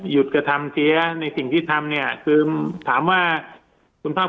หยุดกระทำเซียในสิ่งที่ทำเนี้ยคือถามว่าสุมทราบ